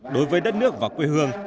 đối với đất nước và quê hương